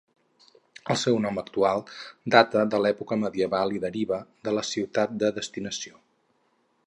El seu nom actual data de l'època medieval i deriva de la ciutat de destinació.